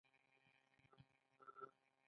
که سوداګري جهادي مداریانو نه وی لوټ کړې.